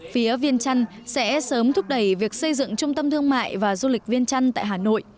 phía viên trăn sẽ sớm thúc đẩy việc xây dựng trung tâm thương mại và du lịch viên chăn tại hà nội